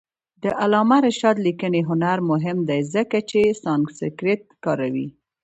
د علامه رشاد لیکنی هنر مهم دی ځکه چې سانسکریت کاروي.